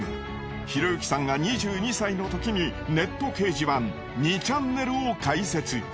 ひろゆきさんが２２歳のときにネット掲示板２ちゃんねるを開設。